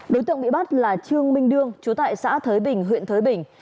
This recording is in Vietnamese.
đối tượng bị bắt là trương minh đương chú tại xã thới bình huyện thới bình